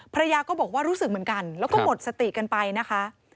ภรรยาก็บอกว่ารู้สึกเหมือนกันแล้วก็หมดสติกันไปนะคะ